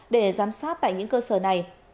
để giám sát tại những cơ sở này